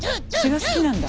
血が好きなんだ。